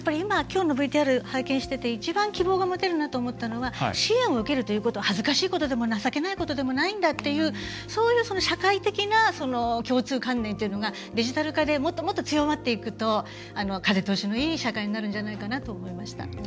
きょうのＶＴＲを拝見してて、一番希望が持てるなと思ったのは支援を受けるということは恥ずかしいことでも情けないことでもないんだというそういう社会的な共通観念というのがデジタル化でもっともっと強まっていくと風通しのいい社会になるんじゃないかなと思いました。